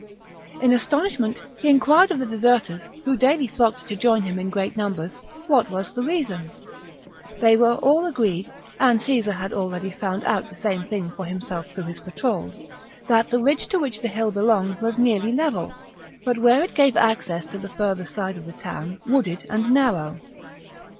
In astonishment, he inquired of the deserters, who daily flocked to join him in great numbers, what was the reason. They were all agreed — and Caesar had already found out the same thing for himself through his patrols — that the ridge to which the hill belonged was nearly level, but where it gave access to the further side of the town wooded and narrow.